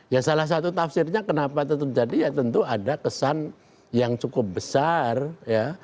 ya salah satu tafsirnya kenapa itu terjadi ya tentu ada kesan yang cukup besar ya